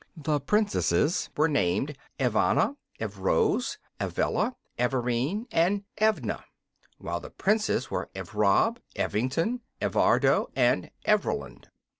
The Princesses were named, Evanna, Evrose, Evella, Evirene and Evedna, while the Princes were Evrob, Evington, Evardo and Evroland.